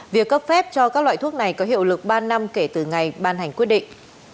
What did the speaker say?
việc cấp phép cho các loại thuốc này có hiệu lực ba năm kể từ ngày ban hành quyết định